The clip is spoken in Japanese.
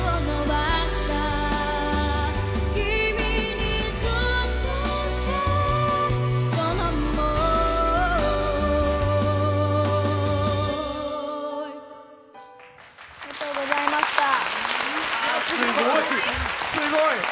すごい！